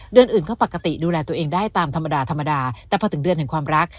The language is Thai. เดือนอื่นก็ปกติดูแลตัวเองได้ตามธรรมดาธรรมดาแต่พอถึงเดือนแห่งความรัก